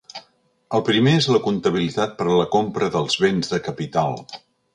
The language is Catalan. El primer és la comptabilitat per a la compra dels bens de capital.